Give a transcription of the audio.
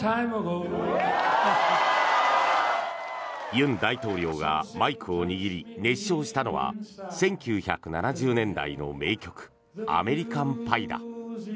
尹大統領がマイクを握り熱唱したのは１９７０年代の名曲「アメリカン・パイ」だ。